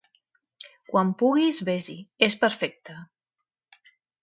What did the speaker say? quan puguis ves-hi, és perfecte.